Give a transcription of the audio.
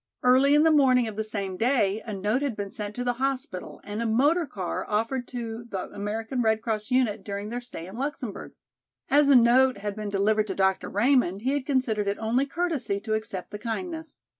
Early in the morning of the same day a note had been sent to the hospital and a motor car offered to the American Red Cross unit during their stay in Luxemburg. As the note had been delivered to Dr. Raymond he had considered it only courtesy to accept the kindness.